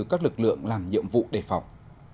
các lực lượng làm nhiệm vụ đề phòng